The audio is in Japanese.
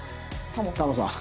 タモさん。